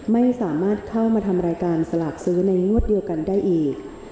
ไม่สามารถเข้ามาทำรายการสลากซื้อในงวดเดียวกันได้อีก